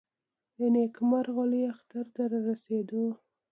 د نېکمرغه لوی اختر د رارسېدو .